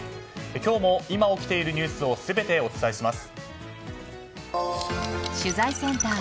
今日も今起きているニュースを全てお伝えします。